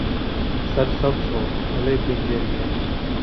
سر سبز ہو، بھلے بنجر، یہ